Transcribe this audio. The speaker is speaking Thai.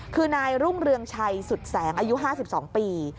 คือนายรุ่งเรืองชัยสุดแสงอายุ๕๒ปี